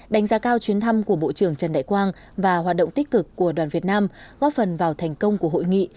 đánh giá cao chuyến thăm của bộ trưởng trần đại quang và hoạt động tích cực của đoàn việt nam góp phần vào thành công của hội nghị